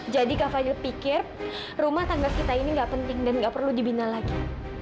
jadi kak fadil pikir rumah tangga kita ini gak penting dan gak perlu dibina lagi